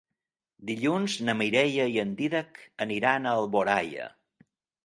Dilluns na Mireia i en Dídac aniran a Alboraia.